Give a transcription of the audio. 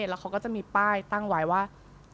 แล้วเขาก็จะมีป้ายตั้งไว้ว่า